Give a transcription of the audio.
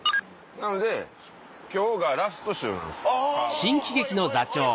なので今日がラスト週なんです川畑さん。